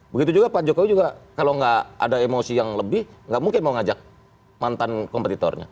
begitu juga pak jokowi juga kalau nggak ada emosi yang lebih nggak mungkin mau ngajak mantan kompetitornya